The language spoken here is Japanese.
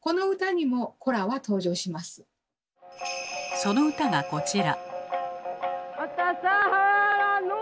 その歌がこちら。